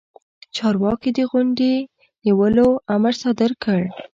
چارواکي د غونډې د نیولو امر صادر کړ.